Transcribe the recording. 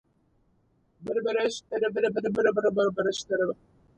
Initially studying engineering he soon changed to physics.